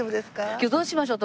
今日どうしましょう？